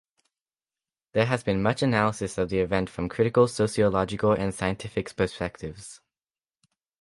There has been much analysis of the event from critical sociological and scientific perspectives.